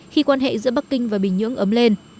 khi quan hệ giữa bắc kinh và bình nhưỡng ấm lên